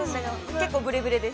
◆結構ブレブレです。